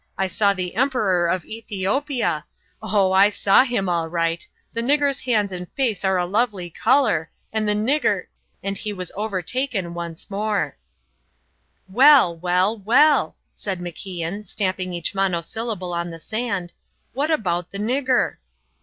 I saw the Emperor of Ethiopia oh, I saw him all right. The nigger's hands and face are a lovely colour and the nigger " And he was overtaken once more. "Well, well, well," said Evan, stamping each monosyllable on the sand, "what about the nigger?"